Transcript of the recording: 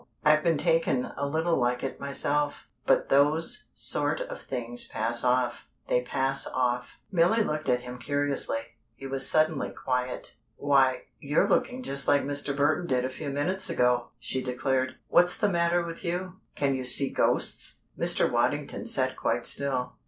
I've been taken a little like it myself, but those sort of things pass off they pass off." Milly looked at him curiously. He was suddenly quiet. "Why, you're looking just like Mr. Burton did a few minutes ago!" she declared. "What's the matter with you? Can you see ghosts?" Mr. Waddington sat quite still.